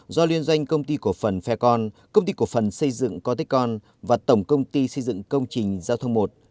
do liên doanh công ty cổ phần phe con công ty cổ phần xây dựng cô tích con và tổng công ty xây dựng công trình giao thông một